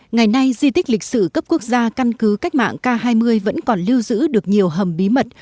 ngày nay di tích lịch sử cấp quốc gia căn cứ cách mạng k hai mươi vẫn còn lưu giữ được nhiều hầm bí mật